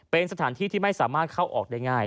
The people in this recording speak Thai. เป็นสถานที่ที่ไม่สามารถเข้าออกได้ง่าย